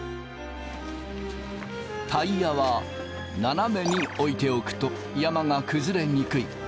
タイヤは斜めに置いておくと山が崩れにくい。